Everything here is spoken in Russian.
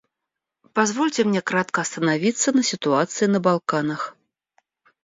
Позвольте мне кратко остановиться на ситуации на Балканах.